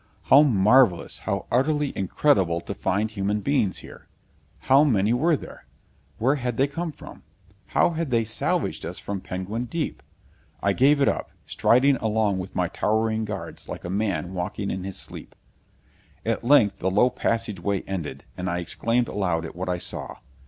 How marvelous, how utterly incredible, to find human beings here! How many were there? Where had they come from? How had they salvaged us from Penguin Deep? I gave it up, striding along with my towering guards like a man walking in his sleep. At length the low passageway ended, and I exclaimed aloud at what I saw.